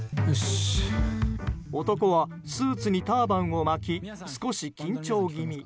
男は、スーツにターバンを巻き少し緊張気味。